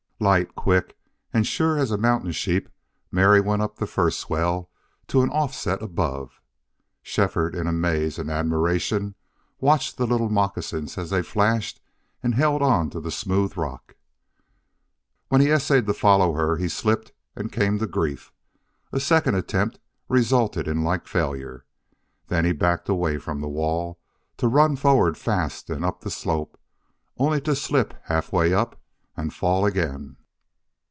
Light, quick, and sure as a mountain sheep Mary went up the first swell to an offset above. Shefford, in amaze and admiration, watched the little moccasins as they flashed and held on to the smooth rock. When he essayed to follow her he slipped and came to grief. A second attempt resulted in like failure. Then he backed away from the wall, to run forward fast and up the slope, only to slip, halfway up, and fall again.